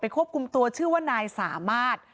ควบคุมตัวชื่อว่านายสามารถ